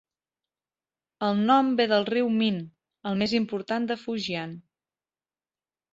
El nom ve del riu Min, el més important de Fujian.